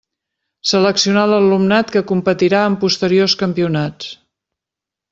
Seleccionar l'alumnat que competirà en posteriors campionats.